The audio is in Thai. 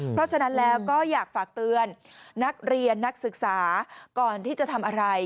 เพราะฉะนั้นแล้วก็อยากฝากเตือนนักเรียนนักศึกษาก่อนที่จะทำอะไร